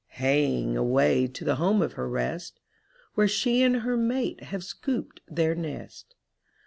Hieing away to the home of her rest. Where she and her mate have scooped their nest.